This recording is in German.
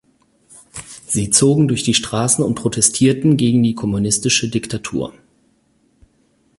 Sie zogen durch die Straßen und protestierten gegen die kommunistische Diktatur.